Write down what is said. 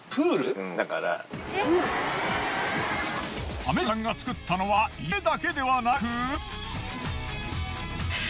雨柊さんが作ったのは家だけではなく。